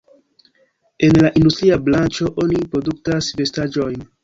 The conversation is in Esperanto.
En la industria branĉo oni produktas vestaĵojn.